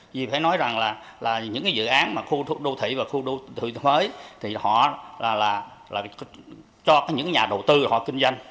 vì phải nói rằng là những dự án khu đô thị và khu đô thị mới thì họ là cho những nhà đầu tư họ kinh doanh